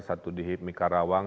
satu di hitmi karawang